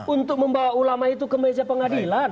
untuk membawa ulama itu ke meja pengadilan